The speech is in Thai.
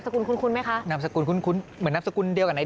สกุลคุณคุณไหมคะนามสกุลคุณคุณเหมือนนามสกุลเดียวกับนาย